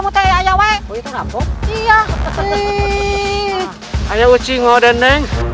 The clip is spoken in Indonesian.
tenang paman tenang